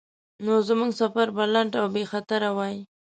نو زموږ سفر به لنډ او بیخطره وای.